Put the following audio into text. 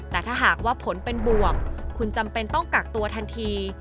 แต่ถ้าหากว่าผลเป็นบวกคุณจำเป็นต้องกักตัวทันที